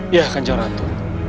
iya kanjeng ratu